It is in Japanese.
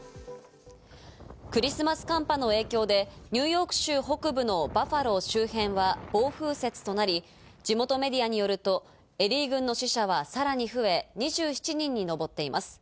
クリスマス寒波の影響でニューヨーク州北部のバファロー周辺は暴風雪となり、地元メディアによると、エリー郡の死者はさらに増え、２７人に上っています。